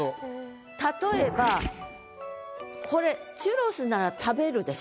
例えばこれチュロスなら食べるでしょ？